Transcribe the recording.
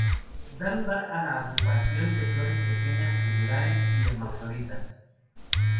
Da lugar a una agrupación de flores pequeñas, tubulares y hermafroditas.